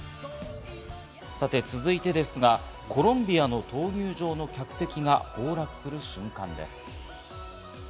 続いてですが、コロンビアの闘牛場の客席が崩落する瞬間です。